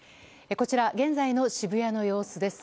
こちら、現在の渋谷の様子です。